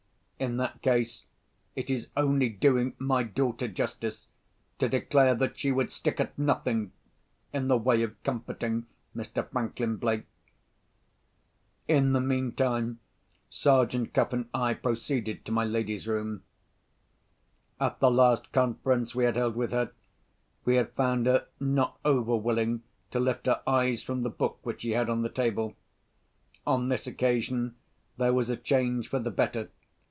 In that case it is only doing my daughter justice to declare that she would stick at nothing, in the way of comforting Mr. Franklin Blake. In the meantime, Sergeant Cuff and I proceeded to my lady's room. At the last conference we had held with her, we had found her not over willing to lift her eyes from the book which she had on the table. On this occasion there was a change for the better.